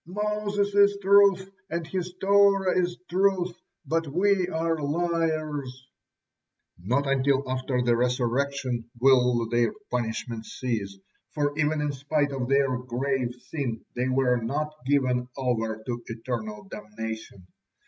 "Moses is truth, and his Torah is truth, but we are liars." Not until after the Resurrection will their punishment cease, for even in spite of their grave sin they were not given over to eternal damnation.